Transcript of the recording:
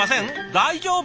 大丈夫？